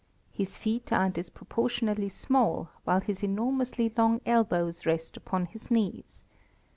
His feet are disproportionately small, while his enormously long elbows rest upon his knees.